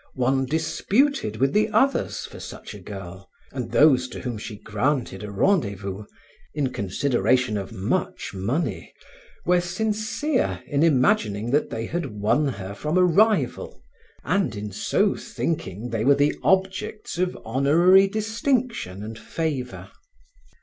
One disputed with the others for such a girl, and those to whom she granted a rendezvous, in consideration of much money, were sincere in imagining that they had won her from a rival, and in so thinking they were the objects of honorary distinction and favor.